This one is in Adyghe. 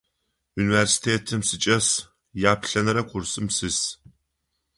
Университетым сычӏэс, яплӏэнэрэ курсым сис.